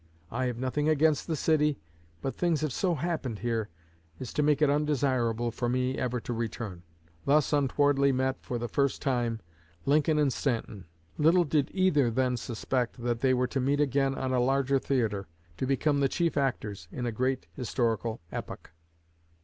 I have nothing against the city, but things have so happened here as to make it undesirable for me ever to return.' Thus untowardly met for the first time, Lincoln and Stanton. Little did either then suspect that they were to meet again on a larger theatre, to become the chief actors in a great historical epoch."